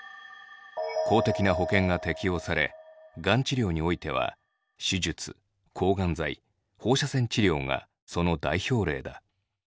公的な保険が適用されがん治療においては手術抗がん剤放射線治療がその代表例だ。